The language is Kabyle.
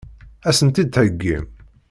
Ad sen-tt-id-theggim?